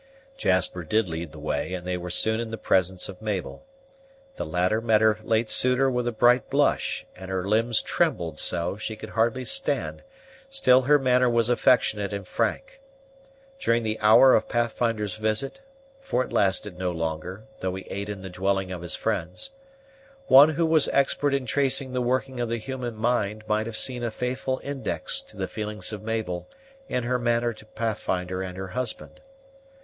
Jasper did lead the way, and they were soon in the presence of Mabel. The latter met her late suitor with a bright blush, and her limbs trembled so, she could hardly stand; still her manner was affectionate and frank. During the hour of Pathfinder's visit (for it lasted no longer, though he ate in the dwelling of his friends), one who was expert in tracing the working of the human mind might have seen a faithful index to the feelings of Mabel in her manner to Pathfinder and her husband.